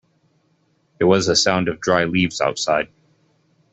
There was a sound of dry leaves outside.